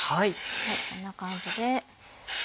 こんな感じで。